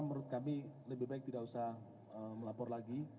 menurut kami lebih baik tidak usah melapor lagi